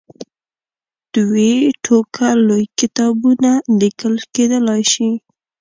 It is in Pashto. دوې ټوکه لوی کتابونه لیکل کېدلای شي.